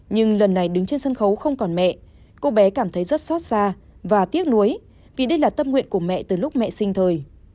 nhưng lần này đứng trên sân khấu không còn mẹ cô bé cảm thấy rất xót xa và tiếc nuối vì đây là tâm nguyện của mẹ từ lúc mẹ sinh thời